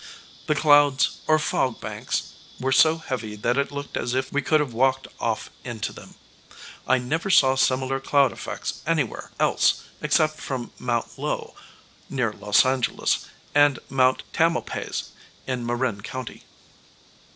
The clouds, or fog banks, were so heavy that it looked as if we could have walked off into them. I never saw similar cloud effects anywhere else except from Mt. Lowe, near Los Angeles, and Mt. Tamalpais, in Marin County.